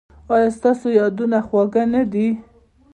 ایا ستاسو یادونه خوږه نه ده؟